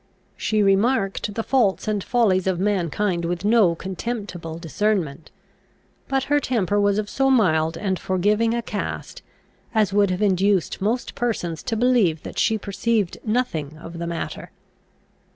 She remarked the faults and follies of mankind with no contemptible discernment; but her temper was of so mild and forgiving a cast, as would have induced most persons to believe that she perceived nothing of the matter.